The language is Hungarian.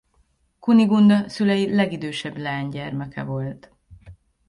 Kunigunda szülei legidősebb leánygyermeke volt.